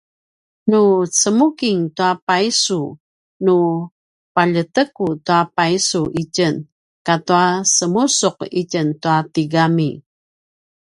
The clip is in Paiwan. nu cemuking tua paysu nu paljeteku tua paysu itjen katua semusu’ itjen tua tigami